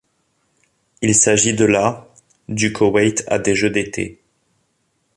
Il s'agit de la du Koweït à des Jeux d'été.